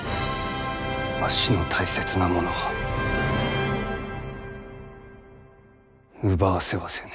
わしの大切なものを奪わせはせぬ。